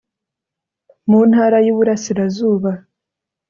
mu ntara y'iburasirazuba